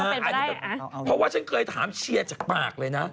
เพราะว่าฉันเคยถามเชียร์จากปากเลยนะ